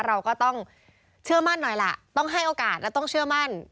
เราก็ต้องเชื่อมั่นหน่อยล่ะต้องให้โอกาสและต้องเชื่อมั่น